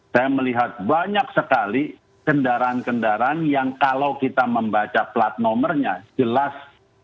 saya melihat banyak sekali kendaraan kendaraan yang kalau kita membaca plat nomornya jelas